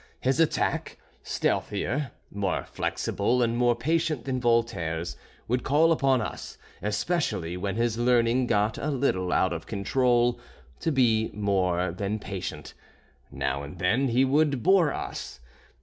His attack, stealthier, more flexible and more patient than Voltaire's, would call upon us, especially when his learning got a little out of control, to be more than patient. Now and then he would bore us.